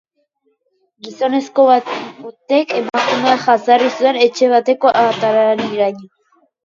Gizonezko batek emakumea jazarri zuen etxe bateko atariraino.